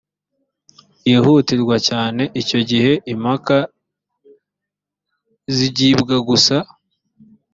yihutirwa cyane icyo gihe impaka zigibwa gusa